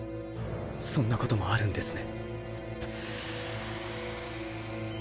そんなこともあるんですね。